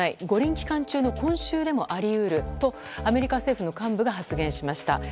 五輪期間中の今週でもあり得るとアメリカ政府の幹部が発言しました。